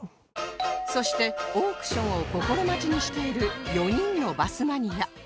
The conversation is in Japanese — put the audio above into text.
そしてオークションを心待ちにしている４人のバスマニア